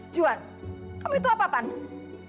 juwan kamu itu apaan sih